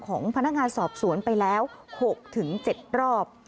ของพนักงานสอบสวนไปแล้ว๖๗รอบ